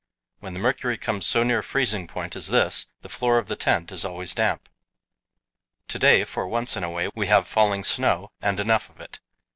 When the mercury comes so near freezing point as this, the floor of the tent is always damp. To day, for once in a way, we have falling snow, and enough of it.